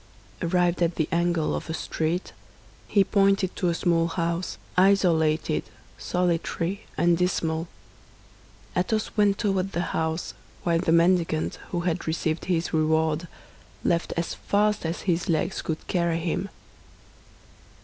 Arrived at the angle of a street, he pointed to a small house, isolated, solitary, and dismal. Athos went toward the house, while the mendicant, who had received his reward, left as fast as his legs could carry him.